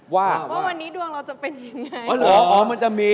วันนี้ดวงเราจะเป็นยังไง